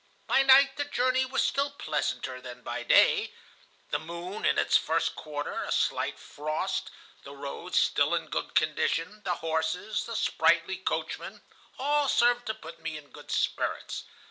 By night the journey was still pleasanter than by day. The moon in its first quarter, a slight frost, the road still in good condition, the horses, the sprightly coachman, all served to put me in good spirits.